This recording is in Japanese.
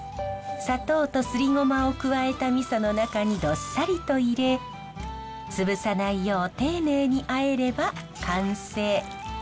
砂糖とすりゴマを加えたみその中にどっさりと入れ潰さないよう丁寧にあえれば完成。